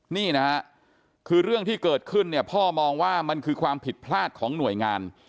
นี่นะฮะคือเรื่องที่เกิดขึ้นเนี่ยพ่อมองว่ามันคือความผิดพลาดของหน่วยงาน